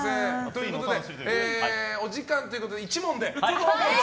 お時間ということで、１問で。